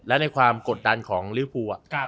และในความกดดันของลิวภู